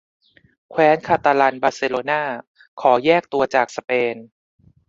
แคว้นคาตาลันบาร์เซโลน่าขอแยกตัวจากสเปน